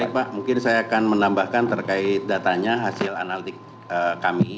baik pak mungkin saya akan menambahkan terkait datanya hasil analitik kami